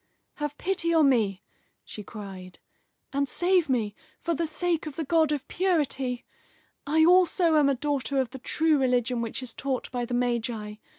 "Have pity on me," she cried, "and save me, for the sake of the God of Purity! I also am a daughter of the true religion which is taught by the Magi.